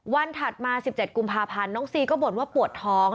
ถัดมา๑๗กุมภาพันธ์น้องซีก็บ่นว่าปวดท้อง